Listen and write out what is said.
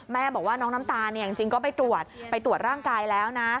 แม่บอกว่าน้องน้ำตาลจริงก็ไปตรวจไปตรวจร่างกายแล้วนะ